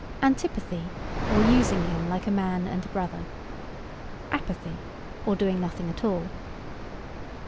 Antipathy, or using him like "a man and a brother." Apathy, or doing nothing at all.